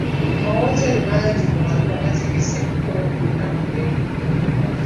Amawoteeri mangi mu Arua gaategese emikolo ku lunaku lwe lumu.